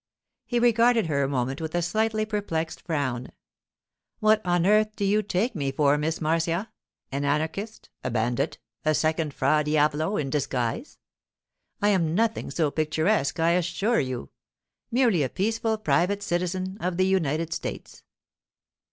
He regarded her a moment with a slightly perplexed frown. 'What on earth do you take me for, Miss Marcia? An anarchist, a bandit, a second Fra Diavolo in disguise? I am nothing so picturesque, I assure you—merely a peaceful private citizen of the United States.